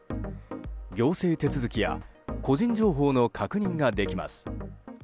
行政手続きや個人情報の確認ができます。